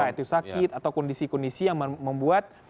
apakah itu sakit atau kondisi kondisi yang membuat